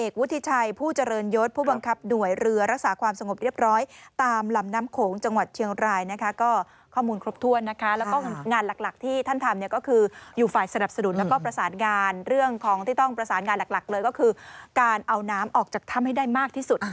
ค่ะเป็นกำลังใจให้ท่านนะคะเป็นกำลังใจให้ท่าน